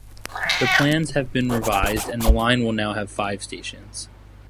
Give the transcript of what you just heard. The plans have been revised and the line will now have five stations.